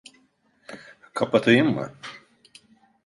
Kapatayım mı?